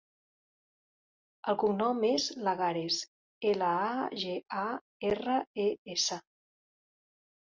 El cognom és Lagares: ela, a, ge, a, erra, e, essa.